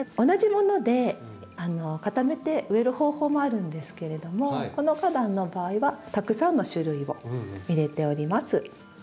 同じもので固めて植える方法もあるんですけれどもこの花壇の場合はたくさんの種類を入れております。